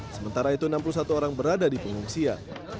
sementara itu enam puluh satu orang berada di pengungsian